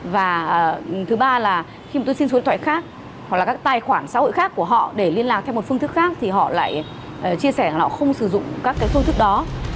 và thứ ba là khi tôi xin số điện thoại khác hoặc là các tài khoản xã hội khác của họ để liên lạc theo một phương thức khác thì họ lại chia sẻ là họ không sử dụng các cái phương thức đó